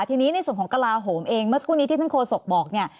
ทีนี้ในส่วนของกระลาโหมเองเมื่อสักครู่นี้ที่ท่านโฆษกบอกเนี่ย